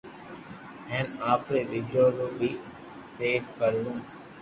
ھين آپري ٻچو رو بي پيت ڀروو